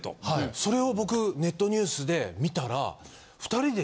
それを僕ネットニュースで見たら。